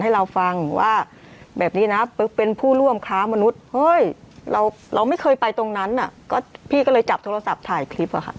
ให้เราฟังว่าแบบนี้นะปึ๊กเป็นผู้ร่วมค้ามนุษย์เฮ้ยเราไม่เคยไปตรงนั้นน่ะก็พี่ก็เลยจับโทรศัพท์ถ่ายคลิปอะค่ะ